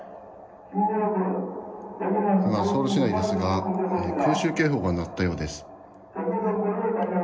今ソウル市内ですが警報が鳴ったようです。